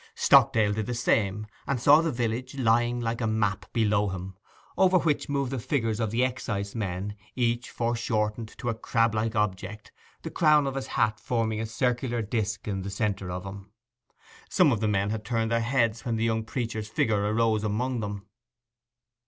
Stockdale did the same, and saw the village lying like a map below him, over which moved the figures of the excisemen, each foreshortened to a crablike object, the crown of his hat forming a circular disc in the centre of him. Some of the men had turned their heads when the young preacher's figure arose among them.